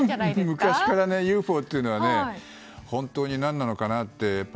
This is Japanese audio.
昔から、ＵＦＯって本当に何なのかなって。